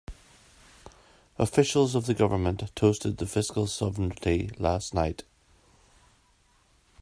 Officials of the government toasted the fiscal sovereignty last night.